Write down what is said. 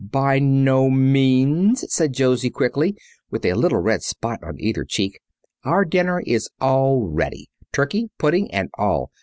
"By no means," said Josie quickly, with a little red spot on either cheek. "Our dinner is all ready turkey, pudding and all.